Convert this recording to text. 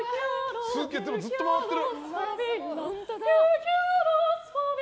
ずっと回ってる。